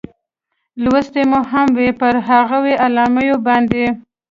لوستې مو هم وې، پر هغو اعلامیو باندې.